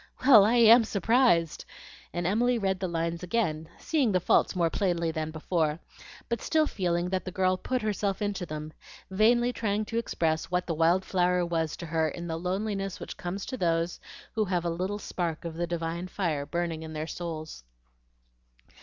Well, I AM surprised!" and Emily read the lines again, seeing the faults more plainly than before, but still feeling that the girl put herself into them, vainly trying to express what the wild flower was to her in the loneliness which comes to those who have a little spark of the divine fire burning in their souls.